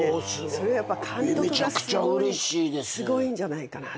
それはやっぱ監督がすごいんじゃないかなと。